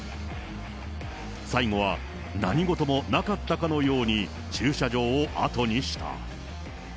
最後は何事もなかったかのように駐車場を後にした。